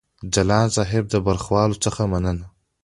ځلاند صاحب د برخوالو څخه مننه وکړه.